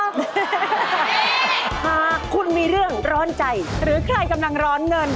หากคุณมีเรื่องร้อนใจหรือใครกำลังร้อนเงิน